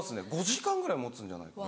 ５時間ぐらい持つんじゃないかな。